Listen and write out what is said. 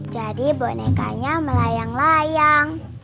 jadi bonekanya melayang layang